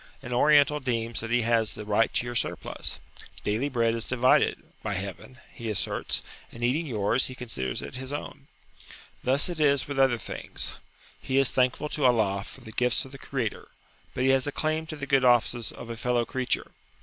An Oriental deems that he has the right to your surplus. "Daily bread is divided" (by heaven), he asserts, and eating yours, he considers it his own. Thus it is with other things. He is thankful to Allah for the gifts of the Creator, but he has a claim to the good offices of a fellow creature.